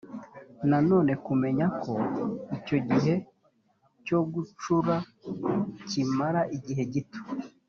nanone kumenya ko icyo gihe cyo gucura kimara igihe gito